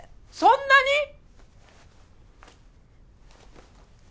そんなに！？